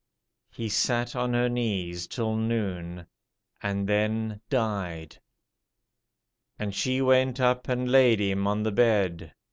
he sat on her knees till noon, and then died. And she went up, and laid him on the bed. ..